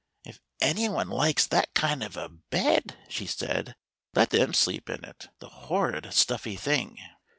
If any one likes that kind of a bed said she, " let them sleep in it — the hor rid stuffy thing!"